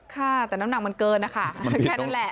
ค่ะแต่น้ำหนักมันเกินนะคะแค่นั้นแหละ